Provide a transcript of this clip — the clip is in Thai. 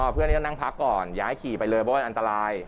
เพื่อนก็นั่งพักก่อนย้ายขี่ไปเลยเพราะว่าอันตราย